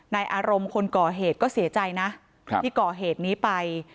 อารมณ์คนก่อเหตุก็เสียใจนะที่ก่อเหตุนี้ไป